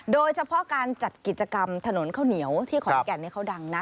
โดยเฉพาะการจัดกิจกรรมถนนข้าวเหนียวที่ขอนแก่นเขาดังนะ